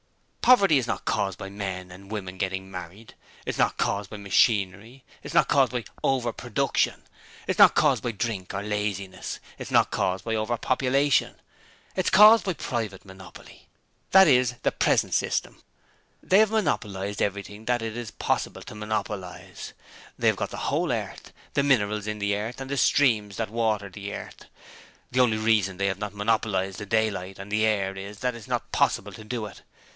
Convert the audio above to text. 'Poverty is not caused by men and women getting married; it's not caused by machinery; it's not caused by "over production"; it's not caused by drink or laziness; and it's not caused by "over population". It's caused by Private Monopoly. That is the present system. They have monopolized everything that it is possible to monopolize; they have got the whole earth, the minerals in the earth and the streams that water the earth. The only reason they have not monopolized the daylight and the air is that it is not possible to do it.